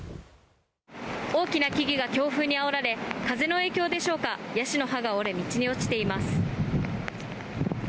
大きな木々が強風にあおられ風の影響でしょうかヤシの葉が折れ道に落ちています。